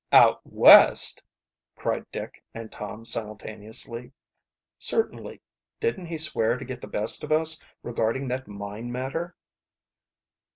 "Out West?" cried Dick and Tom simultaneously. "Certainly. Didn't he swear to get the best of us regarding that mine matter?"